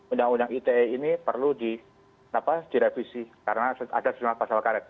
undang undang ite ini perlu direvisi karena ada sejumlah pasal karet